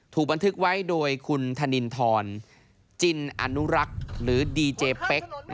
ถูกบันทึกไว้โดยคุณธนินทรจินอนุรักษ์หรือดีเจเป๊ก